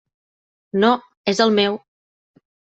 No, és el meu.